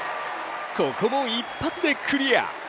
ここも一発でクリア。